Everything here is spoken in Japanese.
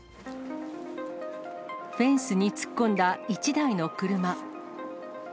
フェンスに突っ込んだ１台の車。